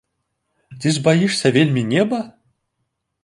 Ці ж баішся вельмі неба?